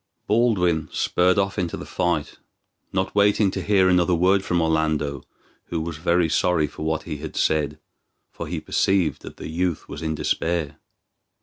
Baldwin spurred off into the fight, not waiting to hear another word from Orlando, who was very sorry for what he had said, for he perceived that the youth was in despair.